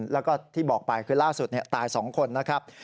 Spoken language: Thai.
แล้วก็ที่บอกไปคือล่าสุดตาย๒คนนะครับ